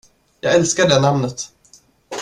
Jag älskar det namnet.